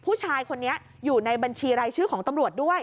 ผู้ชายคนนี้อยู่ในบัญชีรายชื่อของตำรวจด้วย